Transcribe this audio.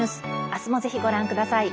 明日もぜひご覧ください。